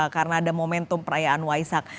karena ada momentum perayaan waisak